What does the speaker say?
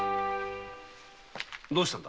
どうしたんだ？